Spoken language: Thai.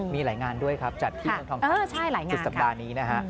มีหลายงานด้วยครับจัดที่ต้องทำทั้งสิบสัปดาห์นี้